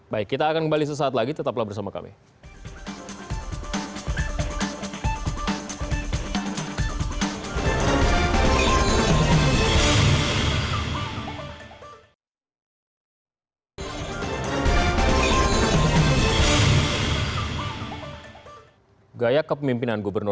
baik kita akan kembali sesaat lagi tetaplah bersama kami